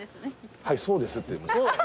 「はいそうです」って。